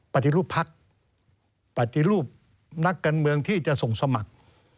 ปฏิรูปภักดิ์ปฏิรูปนักการเมืองที่จะส่งสมัคร